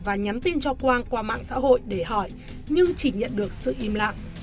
cháu lại nhắn tin cho quang qua mạng xã hội để hỏi nhưng chỉ nhận được sự im lặng